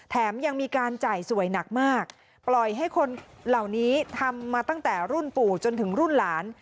ยังมีการจ่ายสวยหนักมากปล่อยให้คนเหล่านี้ทำมาตั้งแต่รุ่นปู่จนถึงรุ่นหลาน